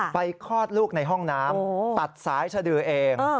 คลอดลูกในห้องน้ำตัดสายสดือเอง